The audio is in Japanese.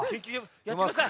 やってください。